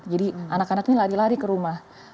jadi anak anak ini lari lari ke rumah